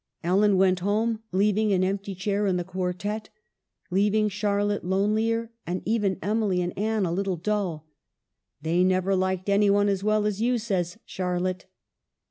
Ellen went home, leaving an empty chair in the quartette, leaving Char lotte lonelier, and even Emily and Anne a little dull. " They never liked any one as well as you," says Charlotte.